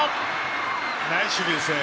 ナイス守備ですね